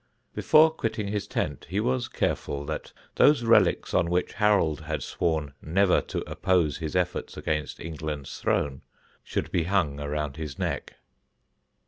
Before quitting his tent, he was careful that those relics on which Harold had sworn never to oppose his efforts against England's throne should be hung around his neck.